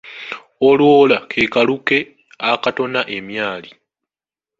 Olwola ke kaluke akatona emyali.